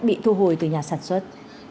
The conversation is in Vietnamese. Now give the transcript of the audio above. bị thu hồi từ nhà sản xuất